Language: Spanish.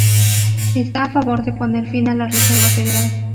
Está a favor de poner fin a la Reserva Federal.